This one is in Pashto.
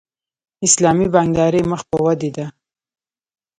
اسلامي بانکداري مخ په ودې ده